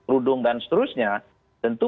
rudung dan seterusnya tentu